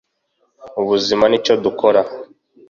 ubuzima nicyo dukora